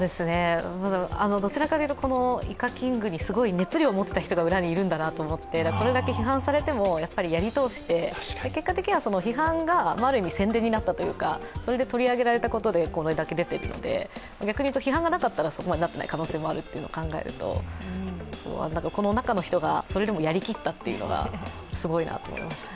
どちらかというとこのイカキングに熱量を持った人が裏にいるんだなと思ってこれだけ批判されてもやり通して、結果的にある意味批判が宣伝になったというかそれで取り上げられたことでこれだけ出ているので逆に言うと、批判がなかったらそこまでなっていないという可能性も考えると、この中の人が、それでも、やりきったのがすごいなと思います。